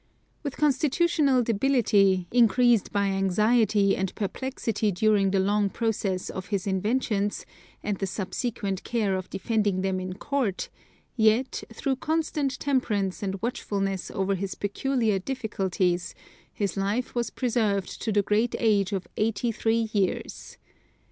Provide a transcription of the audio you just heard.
With constitutional debility, increased by anxiety and perplexity during the long process of his inventions, and the subsequent care of defending them in court; yet, through constant temperance and watchfulness over his peculiar difficulties, his life was preserved to the great age of eighty three years.